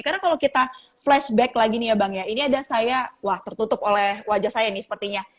karena kalau kita flashback lagi nih ya bang ya ini ada saya wah tertutup oleh wajah saya nih sepertinya